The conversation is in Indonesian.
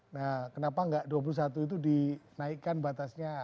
nah kenapa nggak dua puluh satu itu dinaikkan batasnya